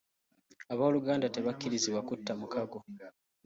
Abooluganda tebakkirizibwa kutta mukago.